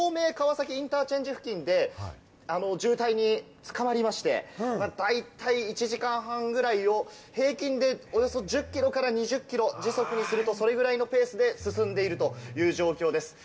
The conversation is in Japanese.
横浜町田の手前にあります、こちら東名川崎インターチェンジ付近で、渋滞に捕まりまして、だいたい１時間半くらいを平均でおよそ１０キロから２０キロ、時速にすると、それくらいのペースで進んでいるという状況です。